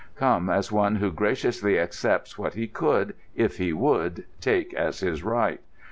Come as one who graciously accepts what he could, if he would, take as his right.